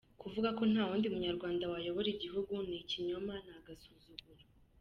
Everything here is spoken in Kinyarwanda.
Kuvuga ko nta wundi munyarwanda wayobora igihugu ni ikinyoma, ni agasuzuguro.